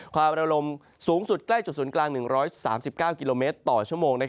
ความระลมสูงสุดใกล้จุดศูนย์กลาง๑๓๙กิโลเมตรต่อชั่วโมง